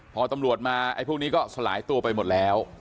พอตำรวจมาไอ้พวกนี้ก็สลายตัวไปหมดแล้ว